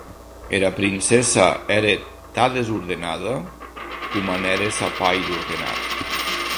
Era princessa ère tan desordenada, coma n’ère sa pair d’ordenat.